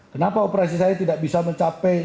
kenapa operasi saya tidak bisa mencapai